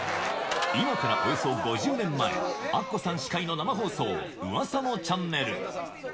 今からおよそ５０年前、アッコさん司会の生放送、うわさのチャンネル！